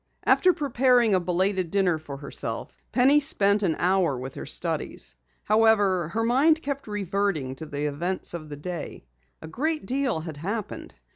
After preparing a belated dinner for herself, Penny spent an hour with her studies. However, her mind kept reverting to the events of the day. A great deal had happened.